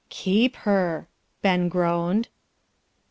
"Keep her!" Ben groaned.